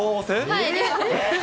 はい。